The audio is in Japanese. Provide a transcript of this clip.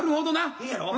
いいやろ？